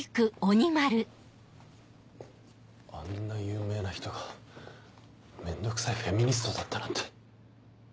あんな有名な人が面倒くさいフェミニストだったなんて。